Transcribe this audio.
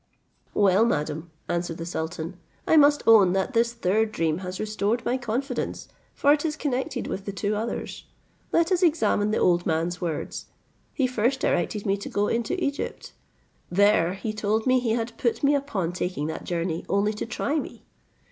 "Well madam," answered the sultan, "I must own, that this third dream has restored my confidence, for it is connected with the two others; let us examine the old man's words. He first directed me to go into Egypt; there he told me, he had put me upon taking that journey, only to try me.